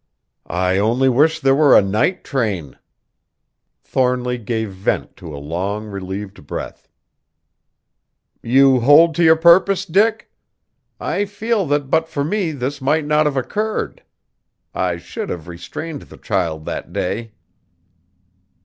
"I only wish there were a night train!" Thornly gave vent to a long, relieved breath. "You hold to your purpose, Dick? I feel that but for me this might not have occurred. I should have restrained the child that day."